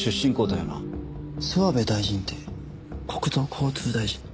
諏訪部大臣って国土交通大臣の？